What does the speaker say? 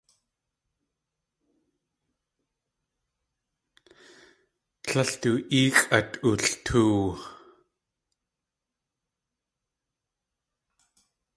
Tlél du éexʼ at ultoow.